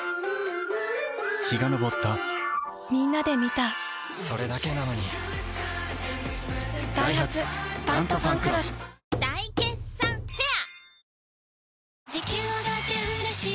陽が昇ったみんなで観たそれだけなのにダイハツ「タントファンクロス」大決算フェア